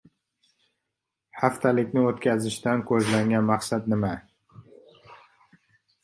Haftalikni o‘tkazishdan ko‘zlangan maqsad nima?